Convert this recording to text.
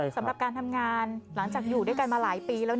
สำหรับการทำงานหลังจากอยู่ด้วยกันมาหลายปีแล้ว